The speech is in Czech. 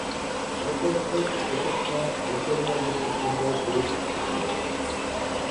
Proto je vcelku zbytečné doplňovat ještě symbol plus/minus.